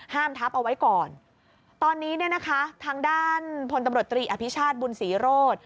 ทับเอาไว้ก่อนตอนนี้เนี่ยนะคะทางด้านพลตำรวจตรีอภิชาติบุญศรีโรธ